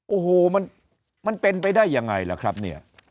โอ้โหมันเป็นไปได้ยังไงล่ะครับเนี่ย